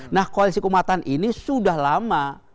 nah koalisi keumatan ini sudah lama